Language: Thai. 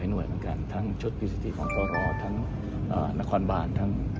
แต่ข้อมูลเบื้องต้นในการตรวจค้นเนี้ยก็คิดว่าไม่ใช่ที่พักอาศัยของท่านอะไรอย่างเงี้ยครับแต่ว่าน่าจะมีเอ่อ